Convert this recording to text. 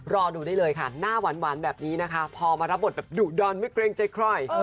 รอดูได้เลยค่ะหน้าหวานแบบนี้นะคะพอมารับบทแบบดุดอนไม่เกรงใจใคร